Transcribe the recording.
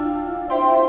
saya akan mengambil alih